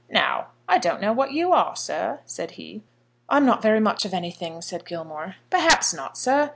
"Now, I don't know what you are, sir," said he. "I'm not very much of anything," said Gilmore. "Perhaps not, sir.